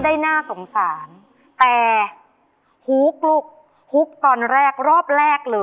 วัดกันไปเลยว่าใครจะได้ผ่านเข้ารอบต่อไปนะคะ